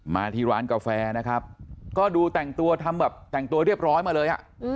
มาที่ร้านกาแฟนะครับก็ดูแต่งตัวเรียบร้อยมาเลย